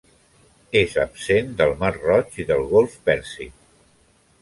És absent del mar Roig i del golf Pèrsic.